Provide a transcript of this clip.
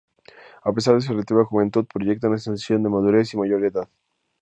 A pesar de su relativa juventud, proyecta una sensación de madurez y mayor edad.